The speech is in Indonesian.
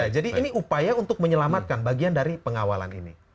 jadi ini upaya untuk menyelamatkan bagian dari pengawalan ini